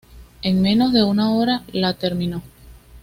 En menos de una hora la terminó.